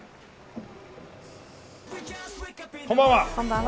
こんばんは。